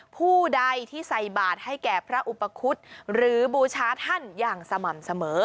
ผู้ใดที่ใส่บาทให้แก่พระอุปคุฎหรือบูชาท่านอย่างสม่ำเสมอ